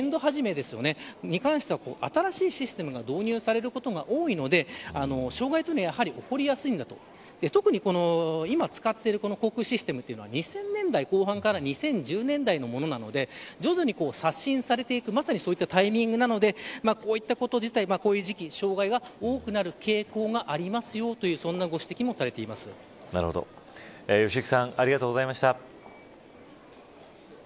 やはり年度初めに関しては新しいシステムが導入されることが多いので障害は、やはり起こりやすい特に今使っている航空システムは２０００年代後半から２０１０年代のものなので徐々に刷新されていくそういったタイミングなのでこういう時期はこういう障害が多くなる傾向がありますよという良幸さんありがとうございました。